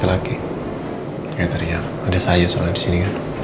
kayaknya ternyata ada saya soalnya disini kan